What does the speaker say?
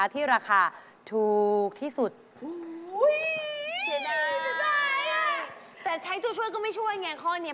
แต่ใช้ตัวช่วยก็ไม่ช่วยงังก้อนเนี่ย